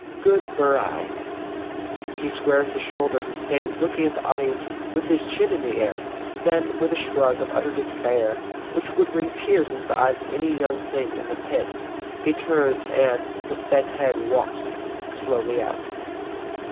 _ Good ber eye. _He squares his shoulders and stands looking at the audience with his chin in the air; then with a shrug of utter despair, which would bring tears into the eyes of any young thing in the pit, he turns and with bent head walks slowly out.